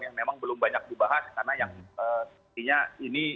yang memang belum banyak dibahas karena yang sepertinya ini